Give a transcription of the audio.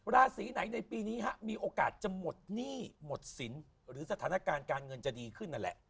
ราศีไหนในปีนี้มีโอกาสจะหมดหนี้หมดสินหรือสถานการณ์การเงินจะดีขึ้นนั่นแหละ